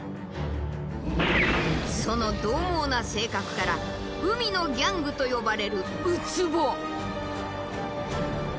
そのどう猛な性格から海のギャングと呼ばれるウツボ。